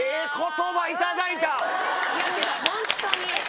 いやけどホントに。